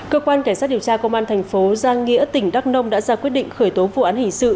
cơ quan cảnh sát điều tra công an thành phố giang nghĩa tỉnh đắk nông đã ra quyết định khởi tố vụ án hình sự